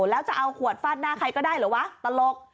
แล้วจะเอาขวดฟาดหน้าใครก็ได้เหรอวะตลก